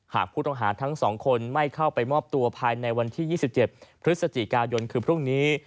หากผู้ต้องหาทั้ง๒คนไม่เข้าไปมอบตัวภายในวันที่๒๗พฤศจิกายนคือพรุ่งนี้